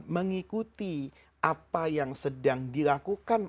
mengikuti apa yang sedang dilakukan